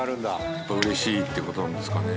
やっぱ嬉しいって事なんですかね。